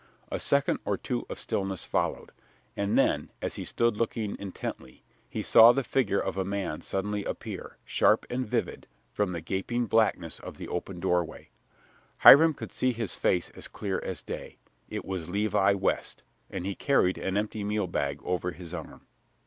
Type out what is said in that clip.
A second or two of stillness followed, and then, as he still stood looking intently, he saw the figure of a man suddenly appear, sharp and vivid, from the gaping blackness of the open doorway. Hiram could see his face as clear as day. It was Levi West, and he carried an empty meal bag over his arm.